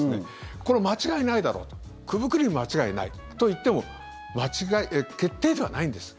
これ、間違いないだろう９分９厘間違いないといっても決定ではないんです。